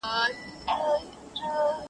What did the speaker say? • ځوانان هڅه کوي هېر کړي ډېر..